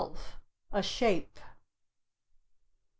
"A shape." 13.